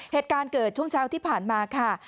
เหตุการณ์เกิดช่วงเช้าที่ผ่านมาค่ะ